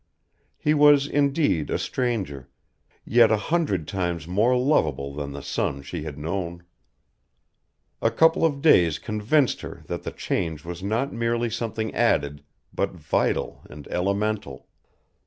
He was indeed a stranger, yet a hundred times more lovable than the son she had known. A couple of days convinced her that the change was not merely something added, but vital and elemental.